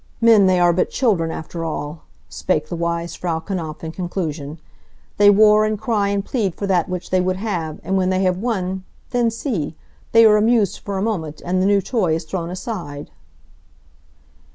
Men, they are but children, after all," spake the wise Frau Knapf in conclusion. "They war and cry and plead for that which they would have, and when they have won, then see! They are amused for a moment, and the new toy is thrown aside."